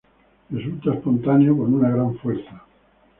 Resulta espontáneo, con una gran fuerza.